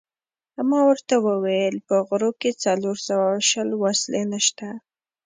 ما ورته وویل: په غرو کې څلور سوه شل وسلې نشته.